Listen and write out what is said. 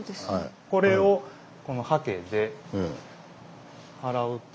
これをこのハケで払うと。